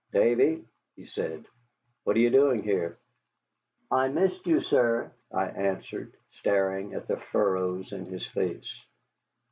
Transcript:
"Davy," he said, "what are you doing here?" "I missed you, sir," I answered, staring at the furrows in his face.